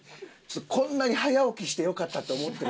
こんなに早起きしてよかったって思ってる。